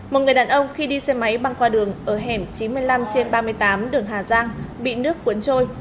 một người đàn ông khi đi xe máy băng qua đường ở hẻm chín mươi năm trên ba mươi tám đường hà giang bị nước cuốn trôi